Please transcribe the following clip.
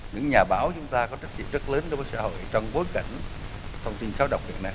những nhà báo chúng ta có trách nhiệm rất lớn trong xã hội trong bối cảnh thông tin xấu độc như thế này